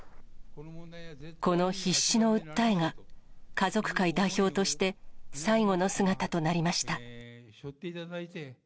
この必死の訴えが、家族会代表として最後の姿となりました。